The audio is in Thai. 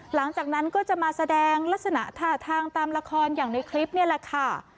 หลังจากนั้นก็จะมาแสดงลักษณะท่าทางตามละครอย่างในคลิปนี่แหละค่ะ